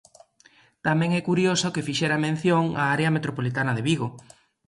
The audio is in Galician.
Tamén é curioso que fixera mención á área metropolitana de Vigo.